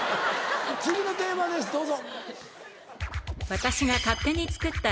次のテーマですどうぞ。